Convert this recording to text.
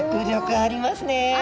あります。